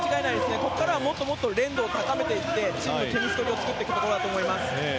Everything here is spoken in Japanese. ここからはもっと練度を高めていってチームのケミストリーを作っていくところだと思います。